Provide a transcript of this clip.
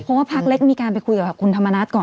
เพราะว่าพักเล็กมีการไปคุยกับคุณธรรมนัฐก่อน